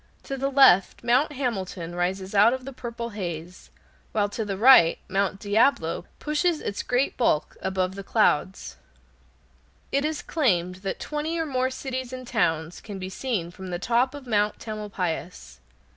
To the left Mount Hamilton rises out of the purple haze, while to the right Mount Diablo pushes its great bulk above the clouds. [Illustration: AN UNINTERRUPTED VIEW] It is claimed that twenty or more cities and towns can be seen from the top of Mount Tamalpais.